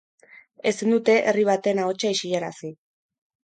Ezin dute herri baten ahotsa isilarazi.